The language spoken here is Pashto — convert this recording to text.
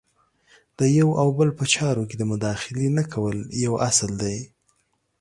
د یو او بل په چارو کې د مداخلې نه کول یو اصل دی.